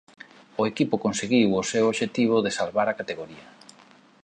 O equipo conseguiu o seu obxectivo de salvar a categoría.